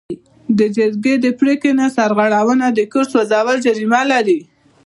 د جرګې د پریکړې نه سرغړونه د کور سوځول جریمه لري.